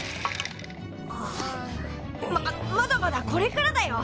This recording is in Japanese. ままだまだこれからだよ！